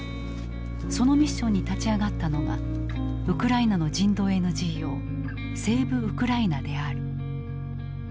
そのミッションに立ち上がったのがウクライナの人道ＮＧＯセーブ・ウクライナである。